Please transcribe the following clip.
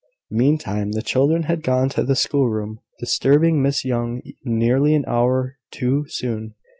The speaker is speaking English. Meantime, the children had gone to the schoolroom, disturbing Miss Young nearly an hour too soon.